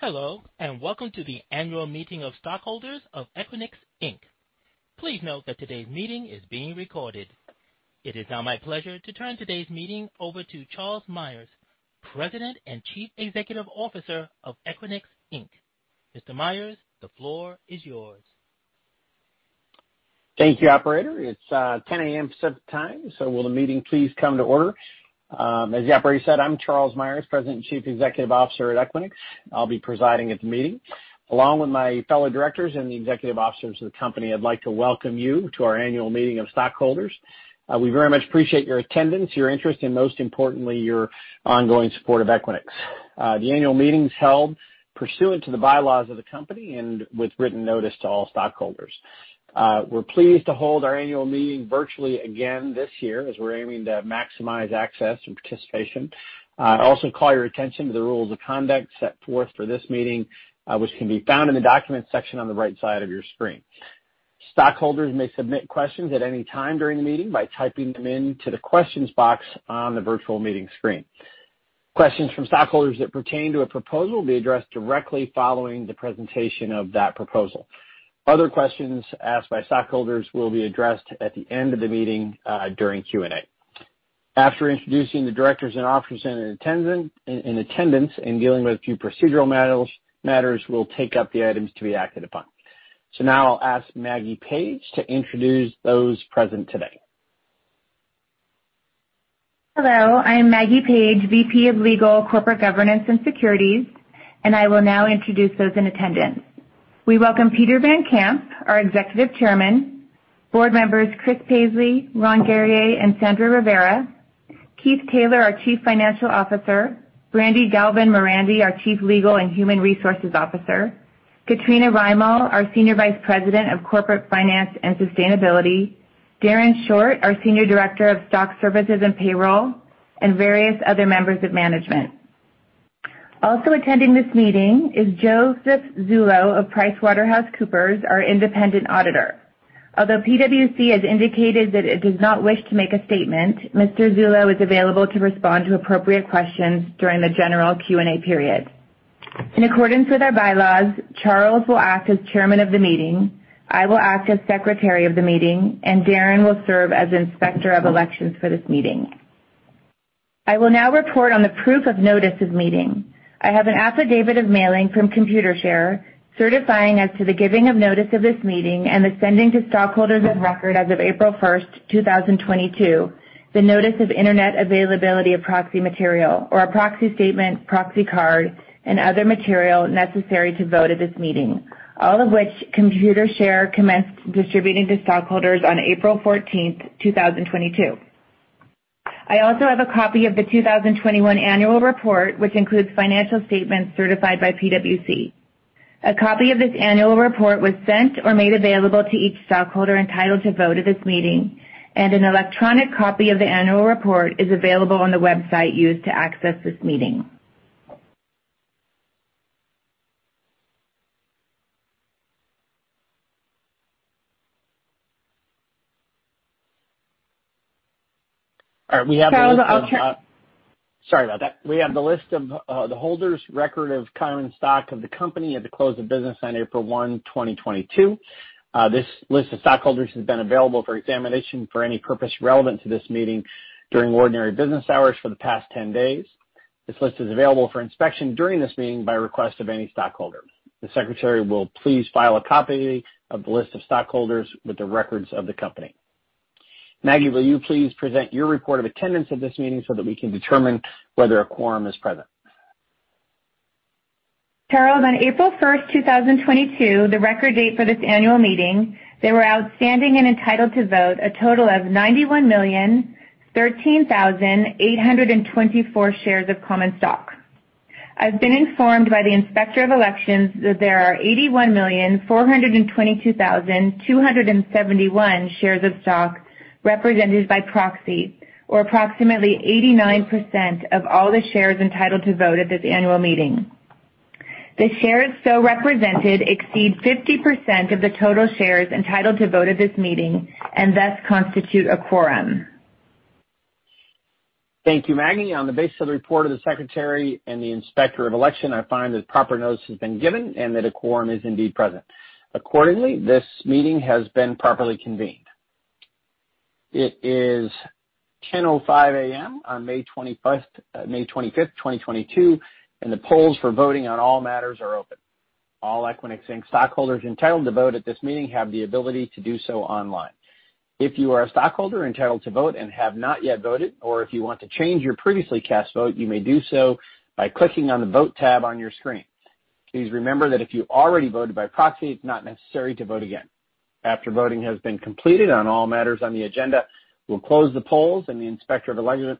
Hello, and welcome to the annual meeting of stockholders of Equinix Inc. Please note that today's meeting is being recorded. It is now my pleasure to turn today's meeting over to Charles Meyers, President and Chief Executive Officer of Equinix Inc. Mr. Meyers, the floor is yours. Thank you, operator. It's 10:00 A.M. Pacific Time. Will the meeting please come to order? As the operator said, I'm Charles Meyers, President and Chief Executive Officer at Equinix. I'll be presiding at the meeting. Along with my fellow directors and the executive officers of the company, I'd like to welcome you to our annual meeting of stockholders. We very much appreciate your attendance, your interest, and most importantly, your ongoing support of Equinix. The annual meeting is held pursuant to the bylaws of the company and with written notice to all stockholders. We're pleased to hold our annual meeting virtually again this year as we're aiming to maximize access and participation. I also call your attention to the rules of conduct set forth for this meeting, which can be found in the Documents section on the right side of your screen. Stockholders may submit questions at any time during the meeting by typing them into the questions box on the virtual meeting screen. Questions from stockholders that pertain to a proposal will be addressed directly following the presentation of that proposal. Other questions asked by stockholders will be addressed at the end of the meeting during Q&A. After introducing the directors and officers in attendance and dealing with a few procedural matters, we'll take up the items to be acted upon. Now I'll ask Maggie Page to introduce those present today. Hello, I'm Maggie Page, VP of Legal, Corporate Governance and Securities, and I will now introduce those in attendance. We welcome Peter Van Camp, our Executive Chairman. Board members Chris Paisley, Ron Guerrier, and Sandra Rivera. Keith Taylor, our Chief Financial Officer. Brandi Galvin Morandi, our Chief Legal and Human Resources Officer. Katrina Rymill, our Senior Vice President of Corporate Finance and Sustainability. Darren Short, our Senior Director of Stock Services and Payroll, and various other members of management. Also attending this meeting is Joseph Zullo of PricewaterhouseCoopers, our independent auditor. Although PwC has indicated that it does not wish to make a statement, Mr. Zullo is available to respond to appropriate questions during the general Q&A period. In accordance with our bylaws, Charles will act as Chairman of the meeting, I will act as Secretary of the meeting, and Darren will serve as Inspector of Elections for this meeting. I will now report on the proof of notice of meeting. I have an affidavit of mailing from Computershare certifying as to the giving of notice of this meeting and the sending to stockholders of record as of April 1, 2022, the notice of Internet availability of proxy material or a proxy statement, proxy card, and other material necessary to vote at this meeting, all of which Computershare commenced distributing to stockholders on April 14, 2022. I also have a copy of the 2021 annual report, which includes financial statements certified by PwC. A copy of this annual report was sent or made available to each stockholder entitled to vote at this meeting, and an electronic copy of the annual report is available on the website used to access this meeting. All right. Charles, I'll check. Sorry about that. We have the list of the record holders of current stock of the company at the close of business on April 1, 2022. This list of stockholders has been available for examination for any purpose relevant to this meeting during ordinary business hours for the past 10 days. This list is available for inspection during this meeting by request of any stockholder. The secretary will please file a copy of the list of stockholders with the records of the company. Maggie, will you please present your report of attendance at this meeting so that we can determine whether a quorum is present? Charles, on April first, two thousand twenty-two, the record date for this annual meeting, there were outstanding and entitled to vote a total of 91,013,824 shares of common stock. I've been informed by the Inspector of Elections that there are 81,422,271 shares of stock represented by proxy, or approximately 89% of all the shares entitled to vote at this annual meeting. The shares so represented exceed 50% of the total shares entitled to vote at this meeting and thus constitute a quorum. Thank you, Maggie. On the basis of the report of the Secretary and the Inspector of Election, I find that proper notice has been given and that a quorum is indeed present. Accordingly, this meeting has been properly convened. It is 10:05 A.M. on May 25th, 2022, and the polls for voting on all matters are open. All Equinix, Inc. stockholders entitled to vote at this meeting have the ability to do so online. If you are a stockholder entitled to vote and have not yet voted, or if you want to change your previously cast vote, you may do so by clicking on the Vote tab on your screen. Please remember that if you already voted by proxy, it's not necessary to vote again. After voting has been completed on all matters on the agenda, we'll close the polls, and the Inspector of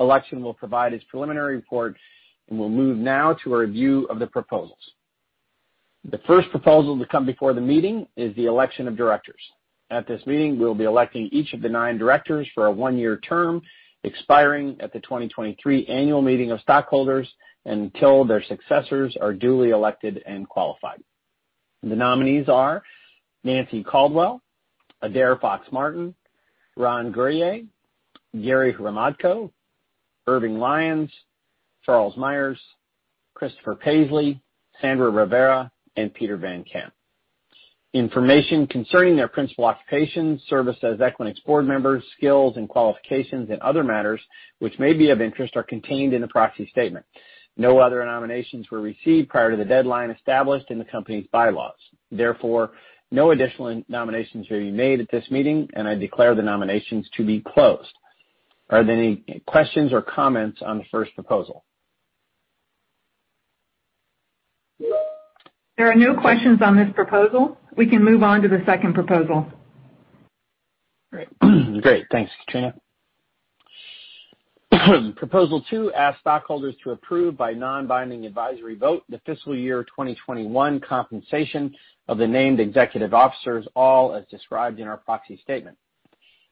Election will provide his preliminary report, and we'll move now to a review of the proposals. The first proposal to come before the meeting is the election of directors. At this meeting, we'll be electing each of the nine directors for a one-year term expiring at the 2023 annual meeting of stockholders and until their successors are duly elected and qualified. The nominees are Nanci Caldwell, Adaire Fox-Martin, Ron Guerrier, Gary Hromadko, Irving Lyons, Charles Meyers, Christopher Paisley, Sandra Rivera, and Peter Van Camp. Information concerning their principal occupation and service as Equinix board members, skills and qualifications and other matters which may be of interest, are contained in the proxy statement. No other nominations were received prior to the deadline established in the company's bylaws. Therefore, no additional nominations will be made at this meeting, and I declare the nominations to be closed. Are there any questions or comments on the first proposal? There are no questions on this proposal. We can move on to the second proposal. Great. Thanks, Katrina. Proposal two, ask stockholders to approve by non-binding advisory vote the fiscal year 2021 compensation of the named executive officers, all as described in our proxy statement.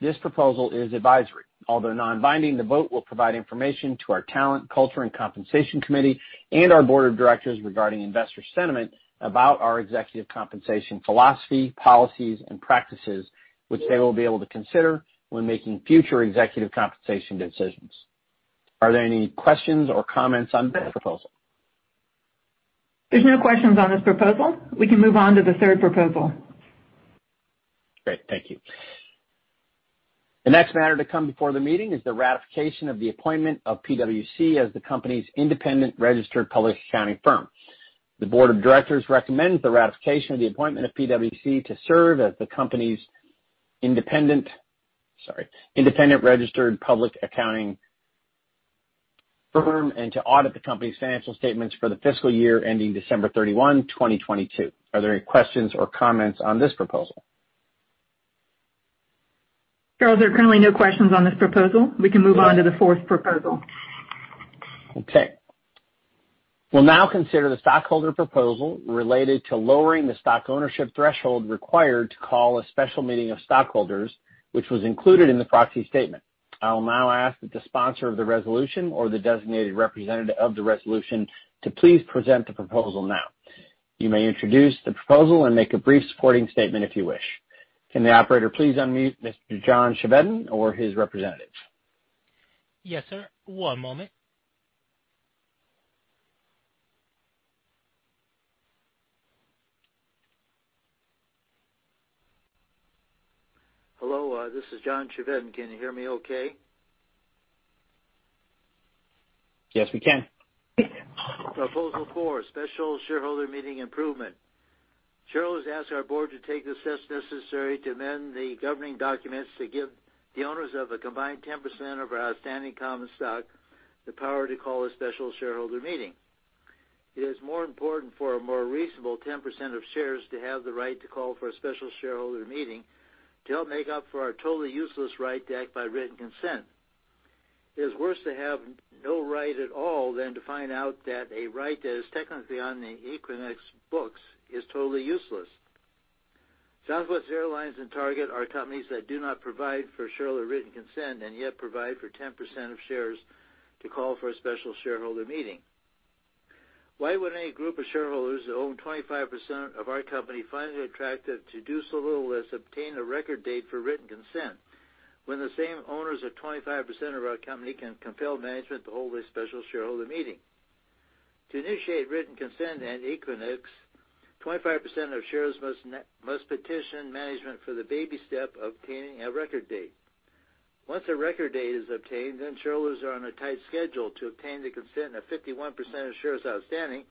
This proposal is advisory. Although non-binding, the vote will provide information to our Talent, Culture, and Compensation Committee and our board of directors regarding investor sentiment about our executive compensation philosophy, policies, and practices, which they will be able to consider when making future executive compensation decisions. Are there any questions or comments on this proposal? There's no questions on this proposal. We can move on to the third proposal. Great, thank you. The next matter to come before the meeting is the ratification of the appointment of PwC as the company's independent registered public accounting firm. The board of directors recommends the ratification of the appointment of PwC to serve as the company's independent registered public accounting firm and to audit the company's financial statements for the fiscal year ending December 31, 2022. Are there any questions or comments on this proposal? Charles, there are currently no questions on this proposal. We can move on to the fourth proposal. Okay. We'll now consider the stockholder proposal related to lowering the stock ownership threshold required to call a special meeting of stockholders, which was included in the proxy statement. I'll now ask that the sponsor of the resolution or the designated representative of the resolution to please present the proposal now. You may introduce the proposal and make a brief supporting statement if you wish. Can the operator please unmute Mr. John Chevedden or his representative? Yes, sir. One moment. Hello, this is John Chevedden. Can you hear me okay? Yes, we can. Proposal four, special shareholder meeting improvement. Shareholders ask our board to take the steps necessary to amend the governing documents to give the owners of a combined 10% of our outstanding common stock the power to call a special shareholder meeting. It is more important for a more reasonable 10% of shares to have the right to call for a special shareholder meeting to help make up for our totally useless right to act by written consent. It is worse to have no right at all than to find out that a right that is technically on the Equinix books is totally useless. Southwest Airlines and Target are companies that do not provide for shareholder written consent and yet provide for 10% of shares to call for a special shareholder meeting. Why would any group of shareholders that own 25% of our company find it attractive to do so little as obtain a record date for written consent when the same owners of 25% of our company can compel management to hold a special shareholder meeting? To initiate written consent at Equinix, 25% of shares must petition management for the baby step of obtaining a record date. Once a record date is obtained, then shareholders are on a tight schedule to obtain the consent of 51% of shares outstanding,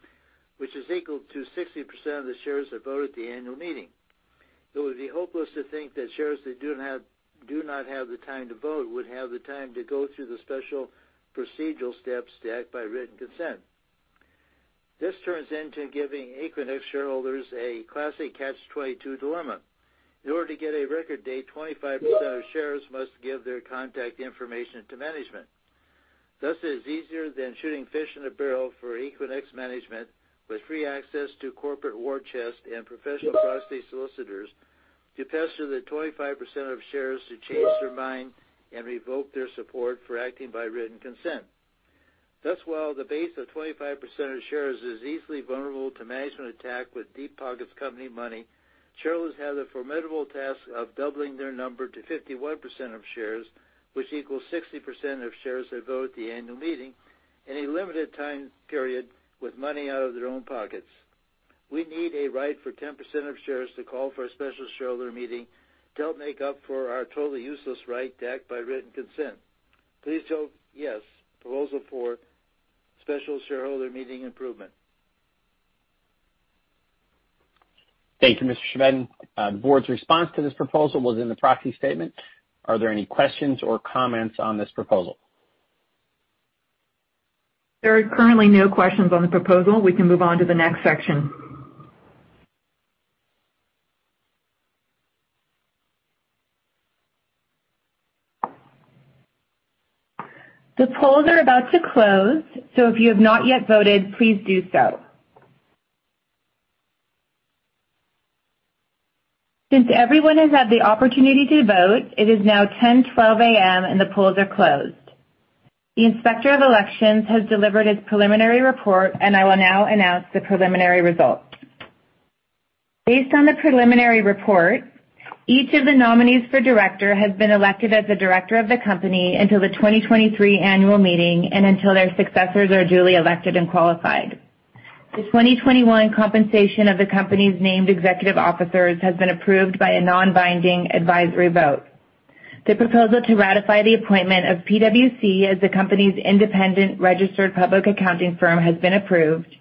which is equal to 60% of the shares that vote at the annual meeting. It would be hopeless to think that shares that do not have the time to vote would have the time to go through the special procedural steps to act by written consent. This turns into giving Equinix shareholders a classic catch-22 dilemma. In order to get a record date, 25% of shares must give their contact information to management. Thus, it is easier than shooting fish in a barrel for Equinix management, with free access to corporate war chest and professional proxy solicitors, to pester the 25% of shares to change their mind and revoke their support for acting by written consent. Thus, while the base of 25% of shares is easily vulnerable to management attack with deep pockets company money, shareholders have the formidable task of doubling their number to 51% of shares, which equals 60% of shares that vote at the annual meeting in a limited time period with money out of their own pockets. We need a right for 10% of shares to call for a special shareholder meeting to help make up for our totally useless right to act by written consent. Please vote yes. Proposal 4, Special Shareholder Meeting Improvement. Thank you, Mr. Chevedden. The board's response to this proposal was in the proxy statement. Are there any questions or comments on this proposal? There are currently no questions on the proposal. We can move on to the next section. The polls are about to close, so if you have not yet voted, please do so. Since everyone has had the opportunity to vote, it is now 10:12 A.M., and the polls are closed. The Inspector of Elections has delivered his preliminary report, and I will now announce the preliminary results. Based on the preliminary report, each of the nominees for director has been elected as a director of the company until the 2023 annual meeting and until their successors are duly elected and qualified. The 2021 compensation of the company's named executive officers has been approved by a non-binding advisory vote. The proposal to ratify the appointment of PwC as the company's independent registered public accounting firm has been approved,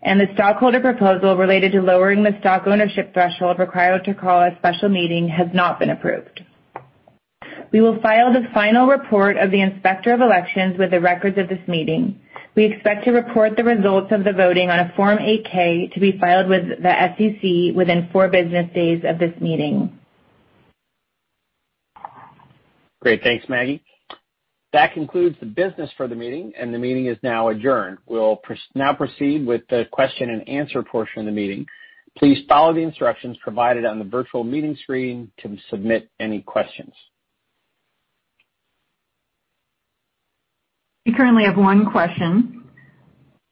and the stockholder proposal related to lowering the stock ownership threshold required to call a special meeting has not been approved. We will file the final report of the Inspector of Elections with the records of this meeting. We expect to report the results of the voting on a Form 8-K to be filed with the SEC within four business days of this meeting. Great. Thanks, Maggie. That concludes the business for the meeting, and the meeting is now adjourned. We'll now proceed with the question-and-answer portion of the meeting. Please follow the instructions provided on the virtual meeting screen to submit any questions. We currently have one question: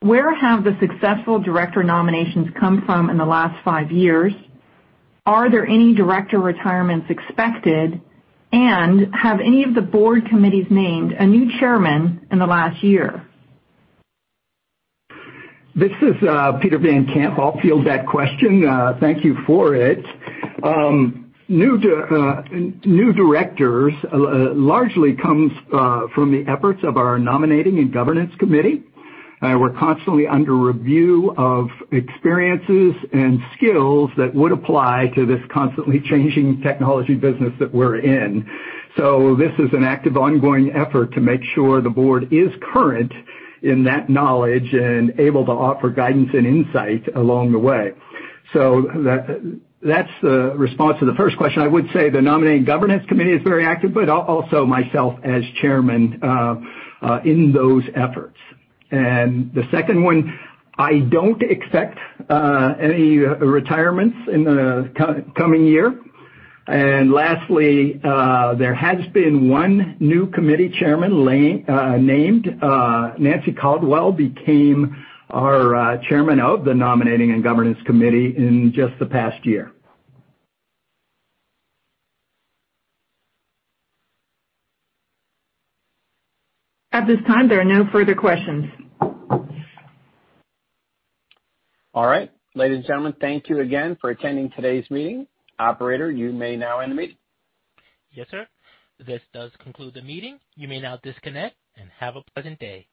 Where have the successful director nominations come from in the last five years? Are there any director retirements expected? Have any of the board committees named a new chairman in the last year? This is Peter Van Camp. I'll field that question. Thank you for it. New directors largely comes from the efforts of our Nominating and Governance Committee. We're constantly under review of experiences and skills that would apply to this constantly changing technology business that we're in. This is an active, ongoing effort to make sure the board is current in that knowledge and able to offer guidance and insight along the way. That, that's the response to the first question. I would say the Nominating and Governance Committee is very active, but also myself as chairman in those efforts. The second one, I don't expect any retirements in the coming year. Lastly, there has been one new committee chairman named. Nanci Caldwell became our chairman of the Nominating and Governance Committee in just the past year. At this time, there are no further questions. All right. Ladies and gentlemen, thank you again for attending today's meeting. Operator, you may now end the meeting. Yes, sir. This does conclude the meeting. You may now disconnect and have a pleasant day.